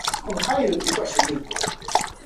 She went on to be featured in other fashion magazines.